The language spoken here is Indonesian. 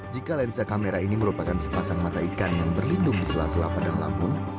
jika lensa kamera ini merupakan sepasang mata ikan yang berlindung di selas selapadang lampung